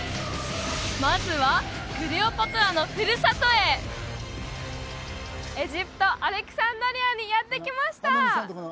まずはクレオパトラのふるさとへエジプトアレクサンドリアにやって来ました